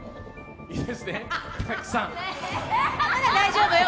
大丈夫よ？